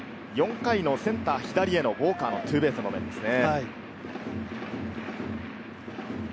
４回のセンター左へのウォーカーのツーベースの場面ですね。